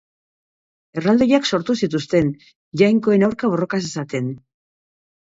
Erraldoiak sortu zituzten, jainkoen aurka borroka zezaten.